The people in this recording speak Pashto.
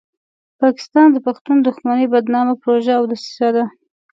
پاکستان د پښتون دښمنۍ بدنامه پروژه او دسیسه ده.